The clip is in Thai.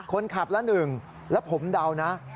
คนขับละ๑แล้วผมเดานะ